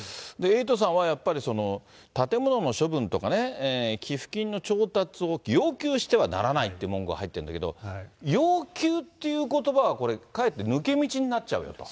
エイトさんはやっぱり、建物の処分とか、寄付金の調達を要求してはならないっていう文言が入ってるんだけど、要求っていうことばはこれ、かえって抜け道になっちゃうよと。